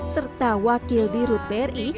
serta wakil dirut bri